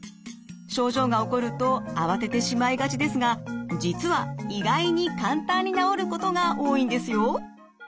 症状が起こると慌ててしまいがちですが実は意外に簡単に治ることが多いんですよ。